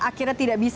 akhirnya tidak bisa